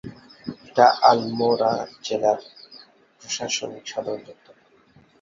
এটি আলমোড়া জেলার প্রশাসনিক সদরদপ্তর।